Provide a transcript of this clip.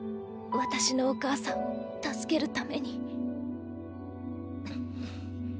私のお母さんを助けるために。